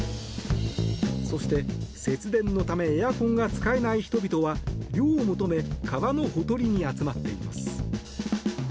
そして、節電のためエアコンが使えない人々は涼を求め川のほとりに集まっています。